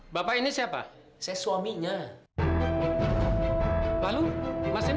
bapak ini siapa suaminya lalu masih